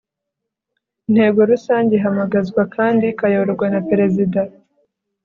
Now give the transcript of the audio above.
intego rusange ihamagazwa kandi ikayoborwa na perezida